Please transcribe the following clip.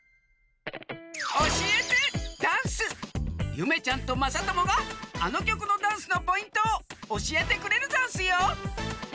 ゆめちゃんとまさともがあのきょくのダンスのポイントをおしえてくれるざんすよ！